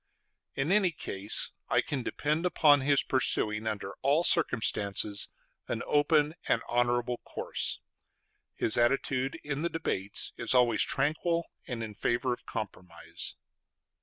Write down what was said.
In any case I can depend upon his pursuing, under all circumstances, an open and honorable course.... His attitude in the debates is always tranquil, and in favor of compromise....